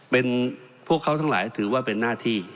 เป็นหน้าที่พวกเขาทั้งหลายประสบกับเป็นหน้าที่